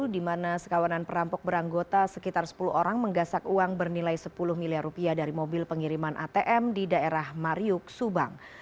di mana sekawanan perampok beranggota sekitar sepuluh orang menggasak uang bernilai sepuluh miliar rupiah dari mobil pengiriman atm di daerah mariuk subang